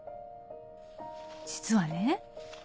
「実はね